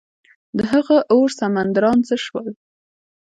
دهمغه اور سمندران څه شول؟